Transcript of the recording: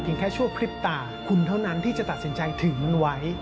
แค่ชั่วพริบตาคุณเท่านั้นที่จะตัดสินใจถึงมันไว้